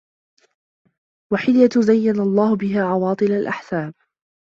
وَحِلْيَةٌ زَيَّنَ اللَّهُ بِهَا عَوَاطِلَ الْأَحْسَابِ